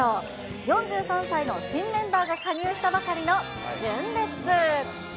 ４３歳の新メンバーが加入したばかりの純烈。